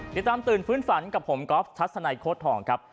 ตื่นฟื้นฝันกับผมก๊อฟทัศนัยโค้ดทองครับ